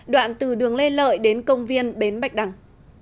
đoạn từ đường lê lợi đến công viên bến bạch đằng